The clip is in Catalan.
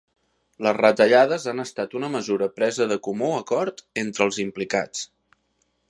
Les retallades han estat una mesura presa de comú acord entre els implicats.